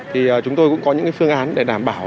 thì chúng tôi cũng có những phương án để đảm bảo